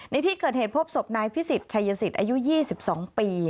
ในที่เกิดเหตุพบศพนายพิสิทธิชัยสิทธิ์อายุ๒๒ปี